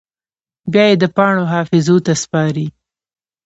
بیا یې د پاڼو حافظو ته سپاري